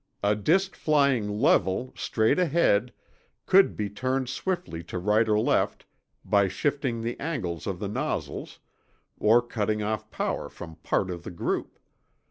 "A disk flying level, straight ahead, could be turned swiftly to right or left by shifting the angles of the nozzles or cutting off power from part of the group.